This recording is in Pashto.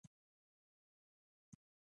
آزاد تجارت مهم دی ځکه چې تکنالوژي خپروي.